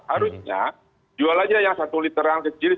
harusnya jual saja yang satu literan kecil